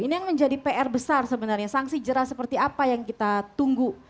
ini yang menjadi pr besar sebenarnya sanksi jerah seperti apa yang kita tunggu